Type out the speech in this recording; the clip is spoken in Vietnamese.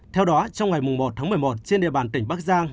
theo đó trong ngày một tháng một mươi một trên địa bàn tỉnh bắc giang